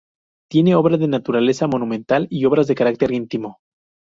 Tiene obra de naturaleza monumental y otras de carácter íntimo.